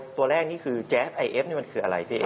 ตัวแรกนี้แจ๊กไอเอฟมันคืออะไรที่เอง